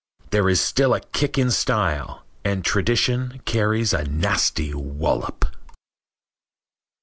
There is still a kick in style, and tradition carries a nasty wallop.